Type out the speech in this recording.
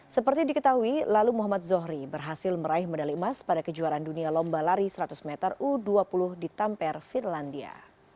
seperti diketahui lalu muhammad zohri berhasil meraih medali emas pada kejuaraan dunia lomba lari seratus meter u dua puluh di tamper finlandia